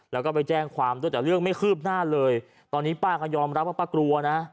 แล้วก็ไปแจ้งความด้วยแต่เรื่องไม่คืบหน้าเลยตอนนี้ป้าก็ยอมรับว่าป้ากลัวนะ